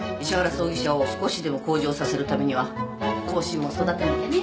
葬儀社を少しでも向上させるためには後進を育てなきゃね。